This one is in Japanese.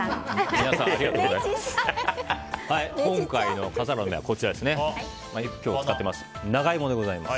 今回の笠原の眼はこちらです。